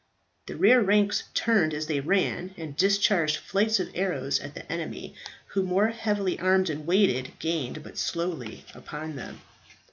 The rear ranks turned as they ran and discharged flights of arrows at the enemy, who, more heavily armed and weighted, gained but slowly upon them.